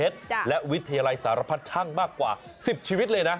เมืองกำแพงเพชรและวิทยาลัยสารพัฒน์ช่างมากกว่า๑๐ชีวิตเลยนะ